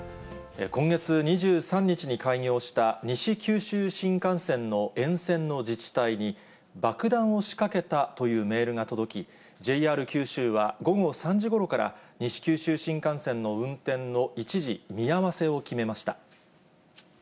今月２３日に開業した西九州新幹線の沿線の自治体に、爆弾を仕掛けたというメールが届き、ＪＲ九州は午後３時ごろから、西九州新幹線の運転の一時見合わせを決めました。